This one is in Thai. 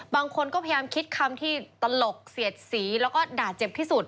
บางคนก็พยายามคิดคำที่ตลกเสียดสีแล้วก็ด่าเจ็บที่สุด